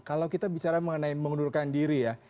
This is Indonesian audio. kalau kita bicara mengenai mengundurkan diri ya